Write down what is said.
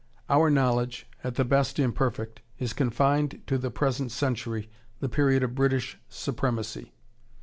Our knowledge, at the best imperfect, is confined to the present century, the period of British supremacy.